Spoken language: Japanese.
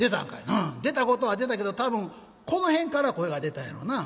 「ああ出たことは出たけど多分この辺から声が出たんやろな」。